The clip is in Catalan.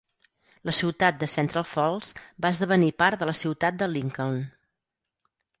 La ciutat de Central Falls va esdevenir part de la ciutat de Lincoln.